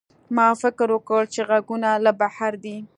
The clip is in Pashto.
ما فکر وکړ چې غږونه له بهر دي.